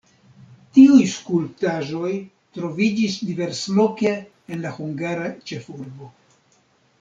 Tiuj skulptaĵoj troviĝis diversloke en la hungara ĉefurbo.